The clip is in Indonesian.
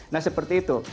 nah seperti itu